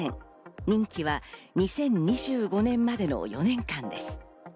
任期は２０２５年までの４年間です。